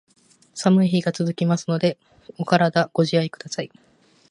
寒い日が続きますので、お体ご自愛下さい。